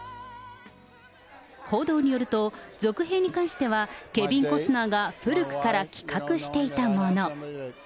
報道によると、続編に関しては、ケビン・コスナーが古くから企画していたもの。